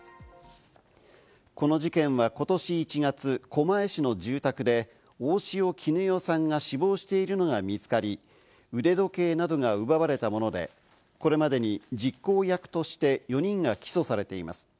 この事件はことし１月、狛江市の住宅で大塩衣与さんが死亡しているのが見つかり、腕時計などが奪われたもので、これまでに実行役として４人が起訴されています。